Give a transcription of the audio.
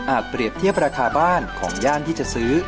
เปรียบเทียบราคาบ้านของย่านที่จะซื้อ